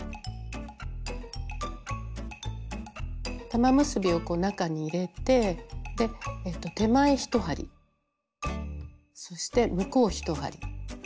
玉結びをこう中に入れて手前１針そして向こう１針。